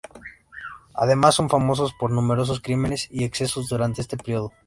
Además son famosos por numerosos crímenes y excesos durante este periodo.